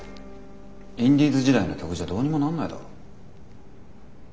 インディーズ時代の曲じゃどうにもなんないだろ？